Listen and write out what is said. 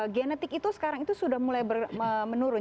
genetik itu sekarang itu sudah mulai menurun